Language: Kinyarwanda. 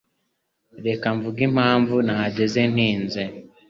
Reka mvuge impamvu nahageze ntinze.